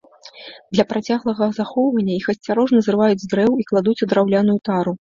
Для працяглага захоўвання іх асцярожна зрываюць з дрэў і кладуць у драўляную тару.